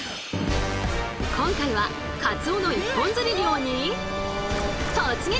今回はカツオの一本釣り漁に突撃！